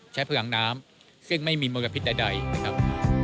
ผังน้ำซึ่งไม่มีมลพิษใดนะครับ